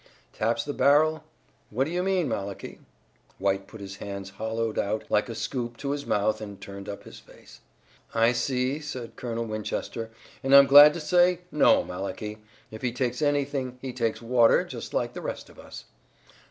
"Taps the barrel? What do you mean, Malachi?" White put his hands hollowed out like a scoop to his mouth and turned up his face. "I see," said Colonel Winchester, "and I'm glad to say no, Malachi. If he takes anything he takes water just like the rest of us."